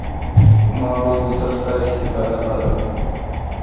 ما وويل دلته ستا استفاده بده ده.